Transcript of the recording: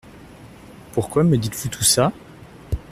Pourquoi me dites-vous tout ça ?